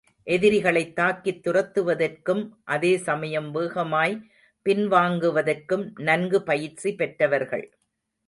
எதிரிகளைத் தாக்கித் துரத்துவதற்கும், அதே சமயம் வேகமாய் பின்வாங்குவதற்கும் நன்கு பயிற்சி பெற்றவர்கள்.